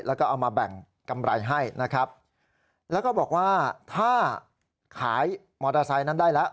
แล้วก็เอามาแบ่งกำไรให้นะครับแล้วก็บอกว่าถ้าขายมอเตอร์ไซค์นั้นได้แล้ว